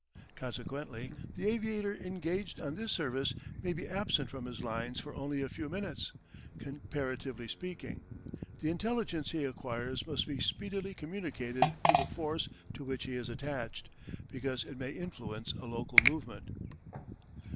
Consequently the aviator engaged on this service may be absent from his lines for only a few minutes, comparatively speaking; the intelligence he acquires must be speedily communicated to the force to which he is attached, because it may influence a local movement.